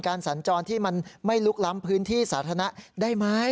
สัญจรที่มันไม่ลุกล้ำพื้นที่สาธารณะได้ไหม